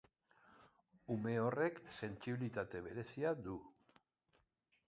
Ume horrek sentsibilitate berezia du.